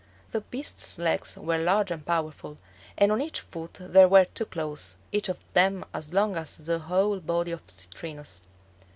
The beast's legs were large and powerful, and on each foot there were two claws, each of them as long as the whole body of Citrinus.